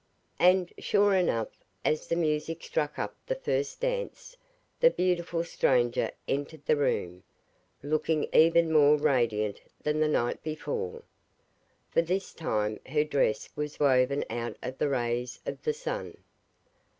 And, sure enough, as the music struck up the first dance, the beautiful stranger entered the room, looking even more radiant than the night before, for this time her dress was woven out of the rays of the sun.